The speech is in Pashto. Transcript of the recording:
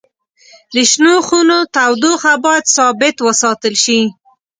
د شنو خونو تودوخه باید ثابت وساتل شي.